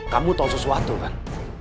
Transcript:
kamu tau sesuatu kan